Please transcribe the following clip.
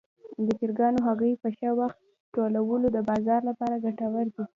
د چرګانو هګۍ په ښه وخت ټولول د بازار لپاره ګټور دي.